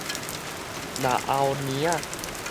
嚨喉奶仔